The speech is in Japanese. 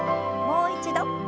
もう一度。